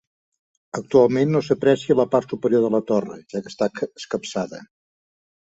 Actualment no s'aprecia la part superior de la torre, ja que està escapçada.